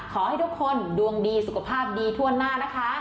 ขอให้ทุกคนดวงดีสุขภาพดีทั่วหน้านะคะ